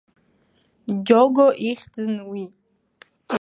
Џього ихьӡын уи.